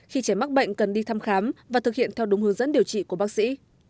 khi trẻ mắc bệnh cần đi thăm khám và thực hiện theo đúng hướng dẫn điều trị của bác sĩ